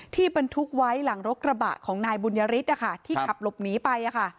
บรรทุกไว้หลังรถกระบะของนายบุญยฤทธิ์ที่ขับหลบหนีไป